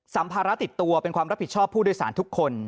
สัมภาระติดตัวเป็นความรับผิดชอบผู้โดยสารทุกคน